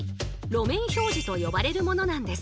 「路面標示」と呼ばれるものなんです。